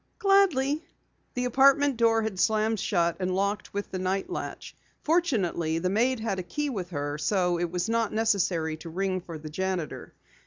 "Gladly." The apartment door had slammed shut and locked with the night latch. Fortunately the maid had a key with her so it was not necessary to ring for the janitor.